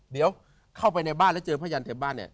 เดี๋ยวเข้าไปในบ้านแล้วเจอพยานเต็มบ้าน